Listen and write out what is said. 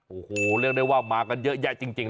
โอ้โหเรียกได้ว่ามากันเยอะแยะจริง